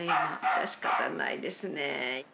致し方ないですね。